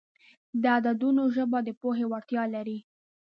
د عددونو ژبه د پوهې وړتیا لري.